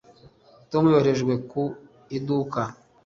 Tom yoherejwe ku iduka